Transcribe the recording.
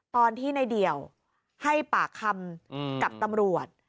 ตอนที่ในเดี่ยวให้ปากคำกับตำรวจ